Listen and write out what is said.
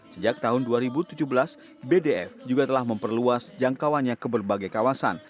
sejak tahun dua ribu tujuh belas bdf juga telah memperluas jangkauannya ke berbagai kawasan